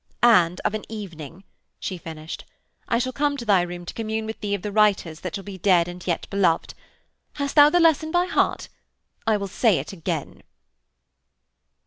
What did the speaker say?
'And, of an evening,' she finished, 'I shall come to thy room to commune with thee of the writers that be dead and yet beloved. Hast thou the lesson by heart? I will say it again.'